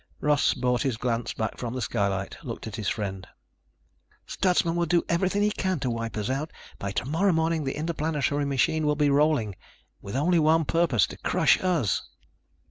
Russ brought his glance back from the skylight, looked at his friend. "Stutsman will do everything he can to wipe us out. By tomorrow morning the Interplanetary machine will be rolling. With only one purpose to crush us."